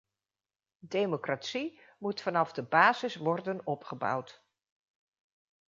Democratie moet vanaf de basis worden opgebouwd.